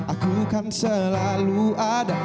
aku kan selalu ada